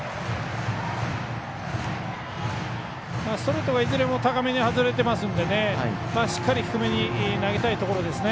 ストレートがいずれも高めに外れているのでしっかり低めに投げたいところですね。